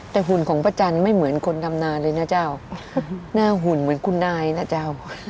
แต่หุ่นของป้าจันทร์ไม่เหมือนคนทำนานเลยนะเจ้าหน้าหุ่นเหมือนคุณนายนะเจ้า